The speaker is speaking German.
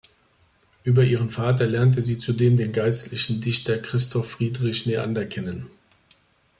Über ihren Vater lernte sie zudem den geistlichen Dichter Christoph Friedrich Neander kennen.